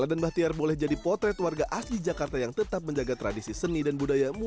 lela dan bahtiar boleh jadi potret warga asli jakarta yang tetap menjaga tradisi seni dan budaya yang terkenal